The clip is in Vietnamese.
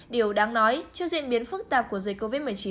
điều đáng nói trước diễn biến phức tạp của dịch covid một mươi chín